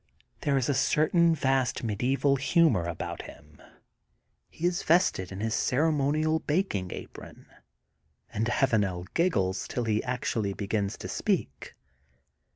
There is a certain vast medieval humor about him. He is vested in his ceremonial bak ing apron and Avanel giggles till he actually begins to speak.